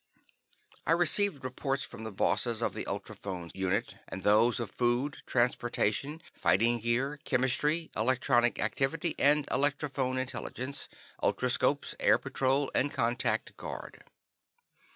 I received reports from the bosses of the ultrophone unit, and those of food, transportation, fighting gear, chemistry, electronic activity and electrophone intelligence, ultroscopes, air patrol and contact guard.